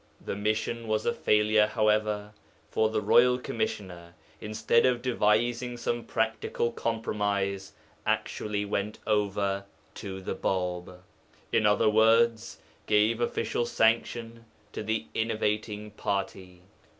The mission was a failure, however, for the royal commissioner, instead of devising some practical compromise, actually went over to the Bāb, in other words, gave official sanction to the innovating party.